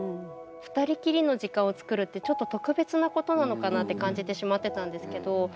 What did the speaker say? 二人きりの時間を作るってちょっと特別なことなのかなって感じてしまってたんですけど